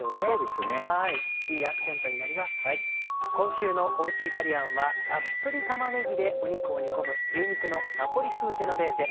今週のおうちイタリアンはたっぷり玉ねぎで肉を煮込む「牛肉のナポリ風ジェノベーゼ」。